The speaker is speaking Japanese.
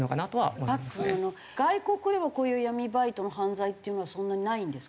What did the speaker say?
パックン外国ではこういう闇バイトの犯罪っていうのはそんなにないんですか？